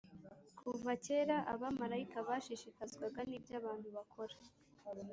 Kuva kera abamarayika bashishikazwaga n’ibyo abantu bakora.